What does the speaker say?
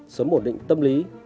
sớm bổn định tâm lý